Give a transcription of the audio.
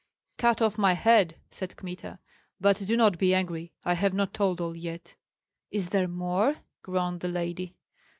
"Cut off my head!" cried Kmita, "but do not be angry! I have not told all yet!" "Is there more?" groaned the lady.